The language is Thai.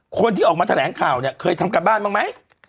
คนที่ออกมาแถลงข่าวเนี่ยเคยทำการบ้านบ้างไหม